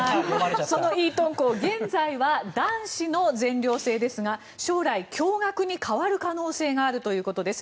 そのイートン校、現在は男子の全寮制ですが将来、共学に変わる可能性があるということです。